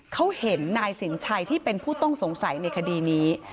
เขาเห็นนายสินชัยที่เป็นผู้ต้องสงสัยในคดีนี้